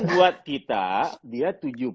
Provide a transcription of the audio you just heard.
buat kita dia tujuh puluh